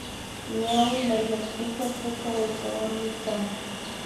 Ñawi mayllapika puka waytawami kan